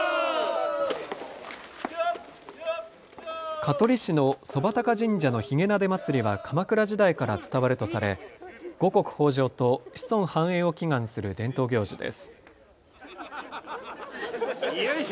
香取市の側高神社のひげなで祭は鎌倉時代から伝わるとされ五穀豊じょうと子孫繁栄を祈願する伝統行事です。